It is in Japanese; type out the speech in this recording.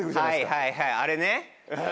はいはいはいあれね！